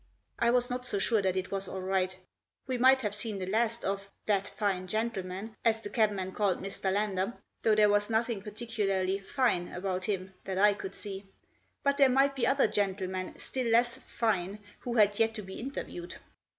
I was not so sure that it was all right We might have seen the last of "that fine gentleman," as the cabman called Mr. Lander, though there was nothing 6* Digitized by 84 THE JOSS. particularly " fine " about him that I could see ; but there might be other gentlemen, still less " fine," who had yet to be interviewed.